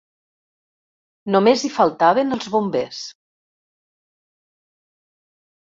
Només hi faltaven els bombers.